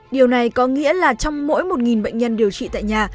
điều này có nghĩa là trong mỗi một bệnh nhân điều trị tại nhà